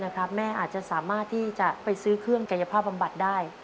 แม่อาจจะสามารถที่จะไปซื้อเครื่องกายภาพบำบัดได้